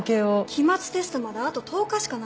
期末テストまであと１０日しかないの。